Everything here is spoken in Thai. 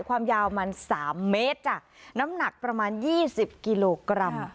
ความยาวมัน๓เมตรจ้ะน้ำหนักประมาณ๒๐กิโลกรัม